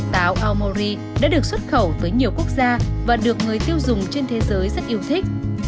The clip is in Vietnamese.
táo aomori đã được xuất khẩu tới nhiều quốc gia và được người tiêu dùng trên thế giới rất yêu thích